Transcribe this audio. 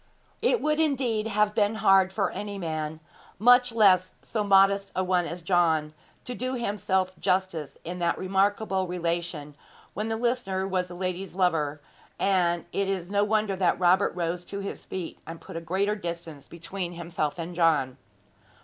It would, indeed, have been hard for any man, much less so modest a one as John, to do himself justice in that remarkable relation, when the listener was the lady's lover; and it is no wonder that Robert rose to his feet and put a greater distance between himself and John.